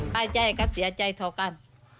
ปลายใจครับเสียใจท่อกัน